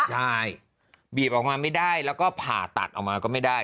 ใช่บีบออกมาไม่ได้แล้วก็ผ่าตัดออกมาก็ไม่ได้